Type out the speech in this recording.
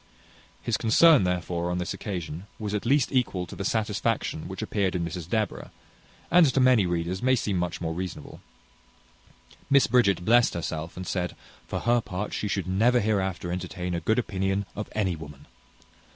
His concern, therefore, on this occasion, was at least equal to the satisfaction which appeared in Mrs Deborah, and to many readers may seem much more reasonable. Miss Bridget blessed herself, and said, "For her part, she should never hereafter entertain a good opinion of any woman."